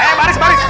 eh baris baris